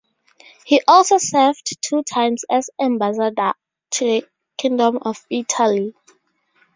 He also served two times as Ambassador to the Kingdom of Italy.